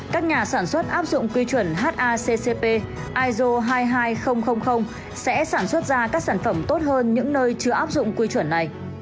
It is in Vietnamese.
các nhà sản xuất áp dụng quy chuẩn haccp iso hai mươi hai nghìn sẽ sản xuất ra các sản phẩm tốt hơn những nơi chưa áp dụng quy chuẩn này